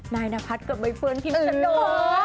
นายนพัฒน์เกือบไม่เฟิร์นพิมพ์สะดวก